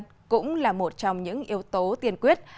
của mỗi người dân cũng là một trong những yếu tố tiền quyết